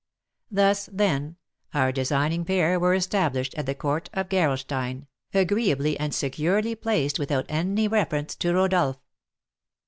Thus, then, our designing pair were established at the court of Gerolstein, agreeably and securely placed without any reference to Rodolph.